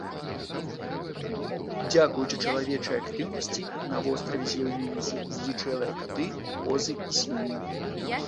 Дзякуючы чалавечай актыўнасці на востраве з'явіліся здзічэлыя каты, козы і свінні.